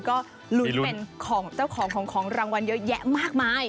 ก็ลุ้นเป็นของเจ้าของของรางวัลเยอะแยะมากมาย